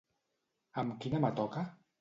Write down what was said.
Amb quina mà toca?